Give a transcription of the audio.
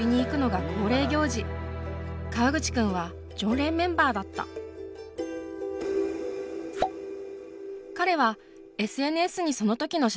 川口君は常連メンバーだった彼はＳＮＳにその時の写真をアップした。